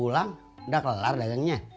kok udah pulang nggak kelar dagangnya